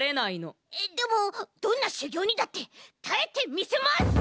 えっでもどんなしゅぎょうにだってたえてみせます！